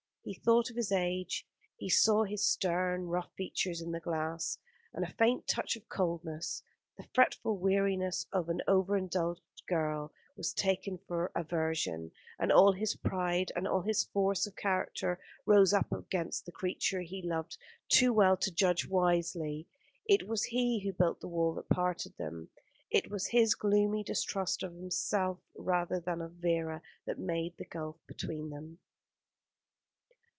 He thought of his age, he saw his stern, rough features in the glass, and a faint touch of coldness, the fretful weariness of an over indulged girl, was taken for aversion, and all his pride and all his force of character rose up against the creature he loved too well to judge wisely. It was he who built the wall that parted them; it was his gloomy distrust of himself rather than of Vera that made the gulf between them.